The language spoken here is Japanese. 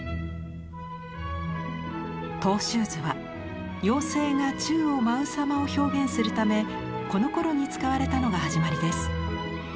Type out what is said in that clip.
トゥ・シューズは妖精が宙を舞うさまを表現するためこのころに使われたのが始まりです。